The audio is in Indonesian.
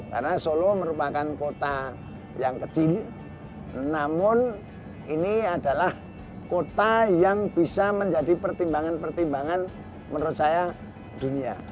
karena solo merupakan kota yang kecil namun ini adalah kota yang bisa menjadi pertimbangan pertimbangan menurut saya dunia